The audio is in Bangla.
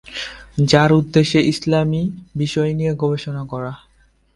যার উদ্দেশ্য ইসলামি বিষয় নিয়ে গবেষণা করা।